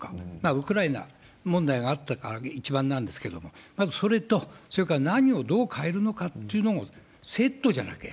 ウクライナ問題があったのが一番なんですけれども、まずそれと、それから何をどう変えるのかというのをセットじゃなきゃ。